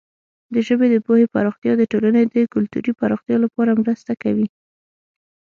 د ژبې د پوهې پراختیا د ټولنې د کلتوري پراختیا لپاره مرسته کوي.